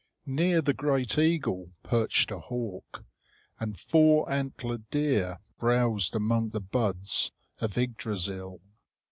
Near the great eagle perched a hawk, and four antlered deer browsed among the buds of Yggdrasil.